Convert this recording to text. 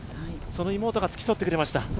その妹が付き添ってくれました。